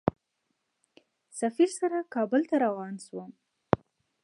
سفیر سره کابل ته روان شوم.